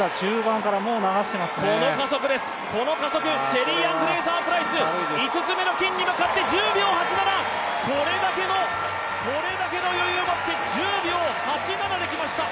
シェリーアン・フレイザー・プライス、５つ目の金に向かって１０秒８７、これだけの余裕を持って１０秒８７できました！